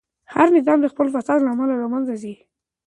هر نظام د خپل فساد له امله له منځه ځي.